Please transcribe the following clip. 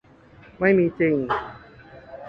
ไม่มีจริง